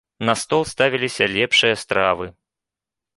На стол ставіліся лепшыя стравы.